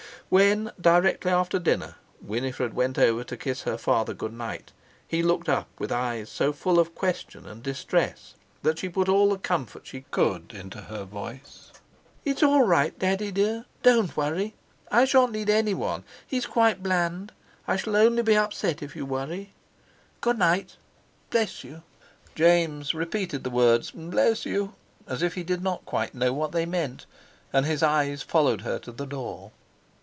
When, directly after dinner, Winifred went over to kiss her father good night, he looked up with eyes so full of question and distress that she put all the comfort she could into her voice. "It's all right, Daddy, dear; don't worry. I shan't need anyone—he's quite bland. I shall only be upset if you worry. Good night, bless you!" James repeated the words, "Bless you!" as if he did not quite know what they meant, and his eyes followed her to the door.